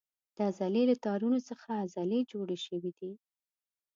د عضلې له تارونو څخه عضلې جوړې شوې دي.